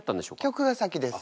曲が先です。